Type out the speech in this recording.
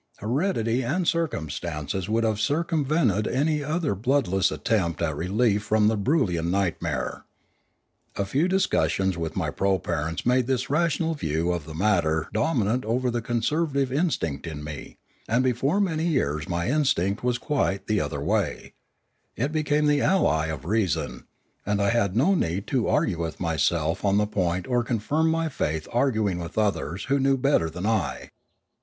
Heredity and cir cumstances would have circumvented any other blood Another Threat 5°3 less attempt at relief from the Broolyian nightmare. A few discussions with my proparents made this rational view of the matter dominant over the conservative in stinct in me, and before many years my instinct was quite the other way; it became the ally of the reason; and I had no need to argue with myself on the point or confirm my faith by arguing with others who knew better than I.